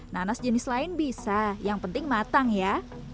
nanas jenis lain bisa yang penting matang ya